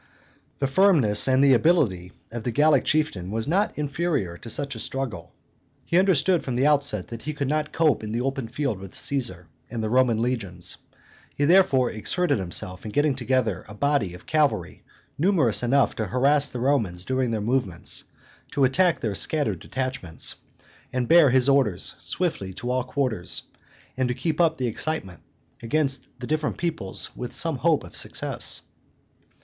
The firmness and the ability of the Gallic chieftain were not inferior to such a struggle. He understood from the outset that he could not cope in the open field with Caesar and the Roman legions; he therefore exerted himself in getting together a body of cavalry numerous enough to harass the Romans during their movements, to attack their scattered detachments, to bear his orders swiftly to all quarters, and to keep up the excitement amongst the different peoplets with some hope of success.